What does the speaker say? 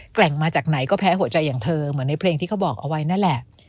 ร่งมาจากไหนก็แพ้หัวใจอย่างเธอเหมือนในเพลงที่เขาบอกเอาไว้นั่นแหละ